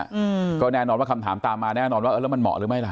อืมก็แน่นอนว่าคำถามตามมาแน่นอนว่าเออแล้วมันเหมาะหรือไม่ล่ะ